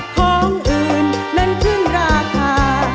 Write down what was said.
ของอื่นนั้นขึ้นราคา